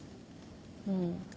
うん。